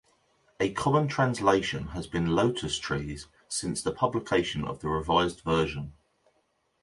A common translation has been "lotus trees" since the publication of the Revised Version.